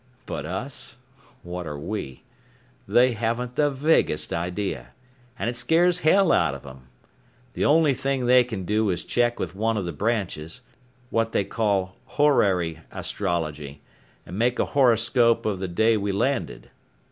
"But us? What are we? They haven't the vaguest idea, and it scares hell out of them. The only thing they can do is check with one of the branches, what they call Horary Astrology, and make a horoscope of the day we landed.